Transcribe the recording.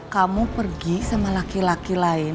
kamu pergi sama laki laki lain